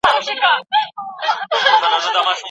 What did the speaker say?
ولي په هرات کي د صنعت لپاره امنیت مهم دی؟